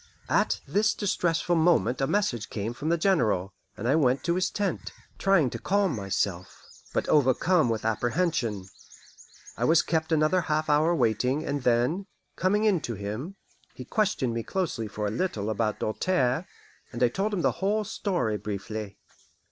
At this distressful moment a message came from the General, and I went to his tent, trying to calm myself, but overcome with apprehension. I was kept another half hour waiting, and then, coming in to him, he questioned me closely for a little about Doltaire, and I told him the whole story briefly.